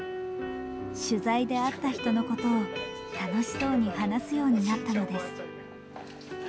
取材で会った人のことを楽しそうに話すようになったのです。